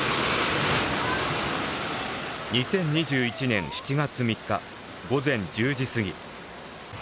２０２１年７月３日午前１０時過ぎ。